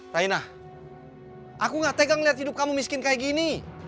raina aku gak tegang lihat hidup kamu miskin kayak gini